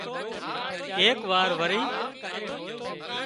ايڪ وار وري